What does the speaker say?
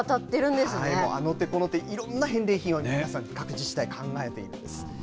あの手この手、いろんな返礼品、皆さん、各自治体、考えているんです。